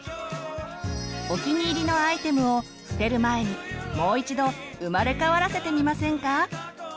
お気に入りのアイテムを捨てる前にもう一度生まれ変わらせてみませんか！